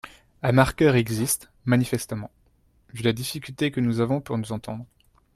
Un marqueur existe manifestement, vu la difficulté que nous avons pour nous entendre.